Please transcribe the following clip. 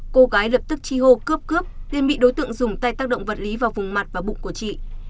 cô gái lập tức chi hô cướp cướp nên bị đối tượng dùng tay tác động vật lý vào vùng mặt và bụng của chị